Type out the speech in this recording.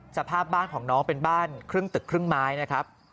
สภาพบ้านของน้องเป็นบ้านครึ่งตึกครึ่งไม้นะครับ